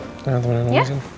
iya temenin emah yuk